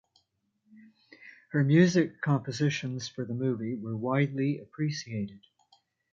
Her music compositions for the movie were widely appreciated.